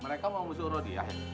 mereka mau nyuruh rodia